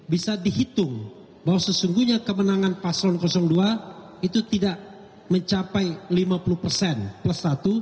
bisa dihitung bahwa sesungguhnya kemenangan paslon dua itu tidak mencapai lima puluh plus satu